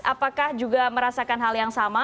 apakah juga merasakan hal yang sama